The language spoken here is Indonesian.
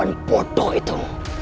jangan bodoh itu